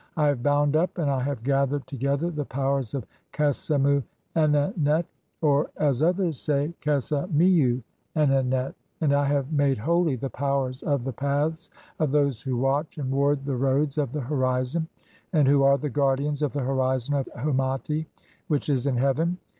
I have bound up and I have gathered "together the powers of Kesemu enenet," or (as others say), "Kesemiu enenet ; and I have made holy (45) the Powers of the "paths of those who watch and ward the roads of the horizon, "and who are the guardians of the horizon of Hemati which is "in heaven.